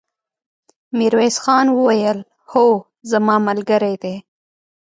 ميرويس خان وويل: هو، زما ملګری دی!